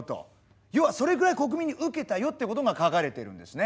要はそれぐらい国民にウケたよってことが書かれているんですね。